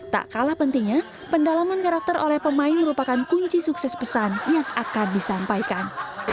tak kalah pentingnya pendalaman karakter oleh pemain merupakan kunci sukses pesan yang akan disampaikan